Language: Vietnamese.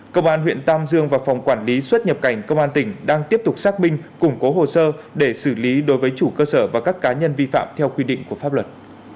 công an huyện tam dương và phòng quản lý xuất nhập cảnh công an tỉnh đang tiếp tục xác minh củng cố hồ sơ để xử lý đối với chủ cơ sở và các cá nhân vi phạm theo quy định của pháp luật